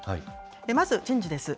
まず人事です。